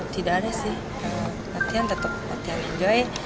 tidak ada sih latihan tetap latihan enjoy